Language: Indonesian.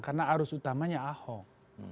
karena arus utamanya ahok